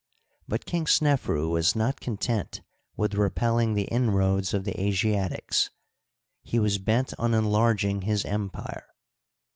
But King Snefru was not content with repelling the inroads of the Asiatics. He was bent on enlarging his empire.